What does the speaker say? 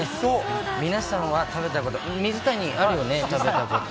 皆さんは食べたこと、水谷、あるよね、食べたこと。